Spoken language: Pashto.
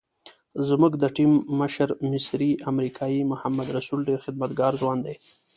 زموږ د ټیم مشر مصری امریکایي محمد رسول ډېر خدمتګار ځوان دی.